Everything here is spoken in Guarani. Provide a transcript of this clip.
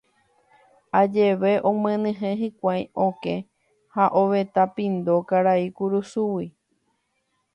Ajeve omyenyhẽ hikuái okẽ ha ovetã pindo karai kurusúgui.